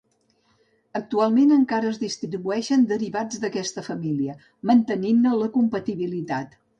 Actualment encara es distribueixen derivats d'aquesta família, mantenint-ne la compatibilitat.